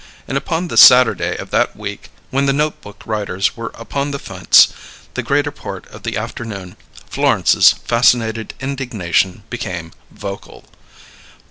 And upon the Saturday of that week, when the notebook writers were upon the fence the greater part of the afternoon, Florence's fascinated indignation became vocal.